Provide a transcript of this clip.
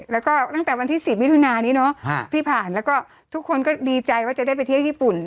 แล้วก็ตั้งแต่วันที่๑๐วิธีนาที่ผ่านทุกคนก็ดีใจว่าจะได้ไปเที่ยวญี่ปุ่น